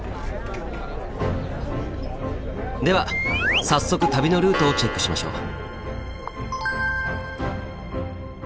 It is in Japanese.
では早速旅のルートをチェックしましょう。